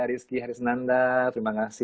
rizky harisnanda terima kasih